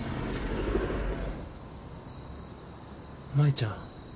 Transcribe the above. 舞ちゃん。